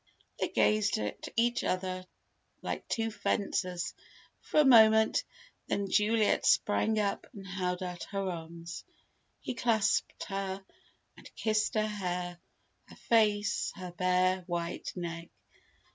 They gazed at each other like two fencers, for a moment; then Juliet sprang up, and held out her arms. He clasped her, and kissed her hair, her face, her bare white neck.